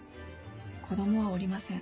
子供はおりません。